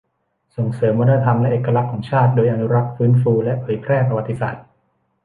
ส่งเสริมวัฒนธรรมและเอกลักษณ์ของชาติ โดยอนุรักษ์ ฟื้นฟู และเผยแพร่ประวัติศาสตร์